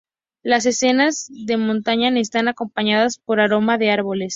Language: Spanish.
Las escenas de montaña están acompañadas por aroma de árboles.